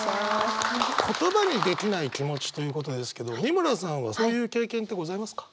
言葉にできない気持ちということですけど美村さんはそういう経験ってございますか？